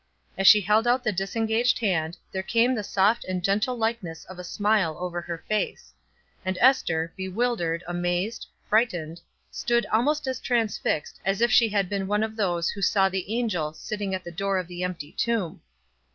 As she held out the disengaged hand, there came the soft and gentle likeness of a smile over her face; and Ester, bewildered, amazed, frightened, stood almost as transfixed as if she had been one of those who saw the angel sitting at the door of the empty tomb.